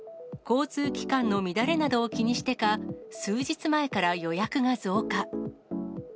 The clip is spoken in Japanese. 交通機関の乱れなどを気にしてか、数日前から予約が増加。